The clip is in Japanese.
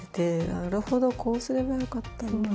なるほどこうすればよかったんだって。